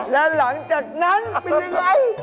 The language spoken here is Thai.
แล้วหลังจากนั้นเป็นยังไง